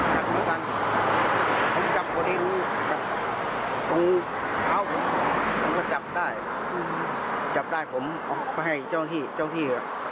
กัดมันกัดผมจับตัวดินตรงเท้าผมมันก็จับได้อือหือจับได้ผมออกไปให้เจ้าที่เจ้าที่อ่ะ